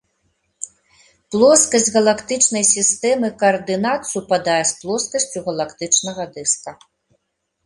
Плоскасць галактычнай сістэмы каардынат супадае з плоскасцю галактычнага дыска.